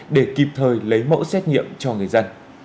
để kịp thời lấy mẫu xét nghiệm cho người dân